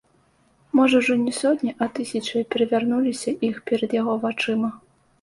Можа ўжо не сотні, а тысячы перавярнулася іх перад яго вачыма.